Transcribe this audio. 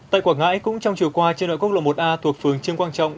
tại quảng ngãi cũng trong chiều qua trên đoạn quốc lộ một a thuộc phường trương quang trọng